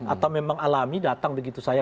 atau memang alami datang begitu saja